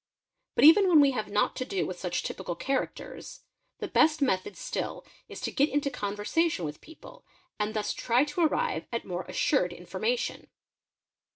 But even when we have not to do with such typical characters, the best method still is to get into conversation with people and thus try to arrive at more — assured information.